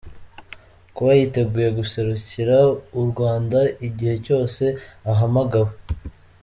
Kuba yiteguye guserukira u Rwanda igihe cyose ahamagawe .